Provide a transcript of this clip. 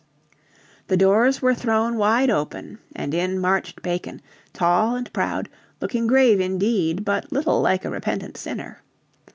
The doors were thrown wide open and in marched Bacon, tall and proud, looking grave indeed but little like a repentant sinner.